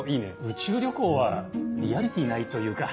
宇宙旅行はリアリティーないというか。